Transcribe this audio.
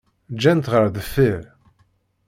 Ǧǧan-tt ɣer deffir.